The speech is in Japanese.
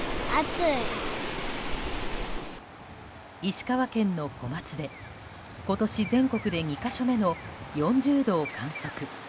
石川県の小松で今年、全国で２か所目の４０度を観測。